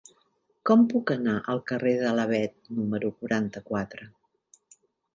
Com puc anar al carrer de l'Avet número quaranta-quatre?